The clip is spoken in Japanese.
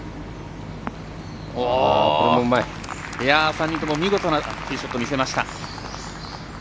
３人とも、見事なティーショットを見せました。